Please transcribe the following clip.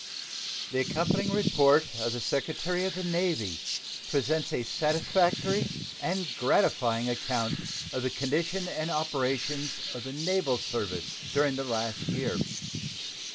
The accompanying report of the Secretary of the Navy presents a satisfactory and gratifying account of the condition and operations of the naval service during the past year.